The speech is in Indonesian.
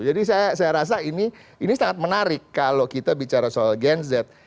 jadi saya rasa ini sangat menarik kalau kita bicara soal gen z